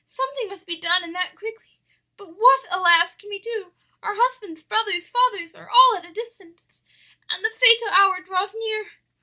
Something must be done, and that quickly. But what, alas! can we do? our husbands, brothers, fathers are all at a distance, and the fatal hour draws near.'